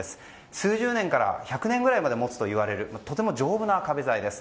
数十年から１００年くらいまで持つといわれるとても丈夫な壁材です。